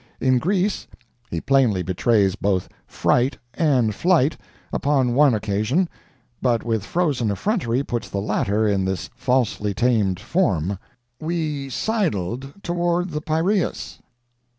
In Greece he plainly betrays both fright and flight upon one occasion, but with frozen effrontery puts the latter in this falsely tamed form: "We _sidled _toward the Piraeus."